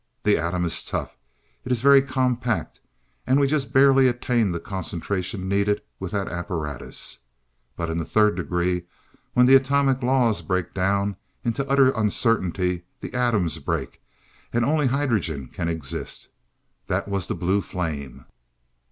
The atom is tough. It is very compact, and we just barely attained the concentration needed with that apparatus. But in the Third Degree, when the Atomic Laws break down into utter uncertainty, the atoms break, and only hydrogen can exist. That was the blue flame.